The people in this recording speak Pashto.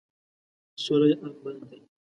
سوله یې ارمان دی ،.